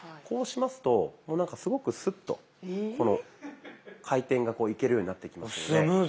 こうしますとなんかすごくスッとこの回転がいけるようになってきますので。